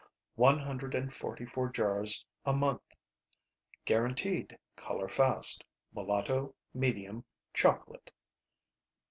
One hundred and forty four jars a month. Guaranteed Color fast. Mulatto, Medium, Chocolate.